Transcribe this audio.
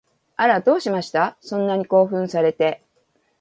あら、どうしました？そんなに興奮されて